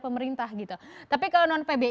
pemerintah gitu tapi kalau non pb